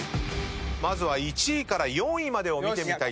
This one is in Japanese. まずは１位から４位までを見てみたいと思います。